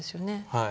はい。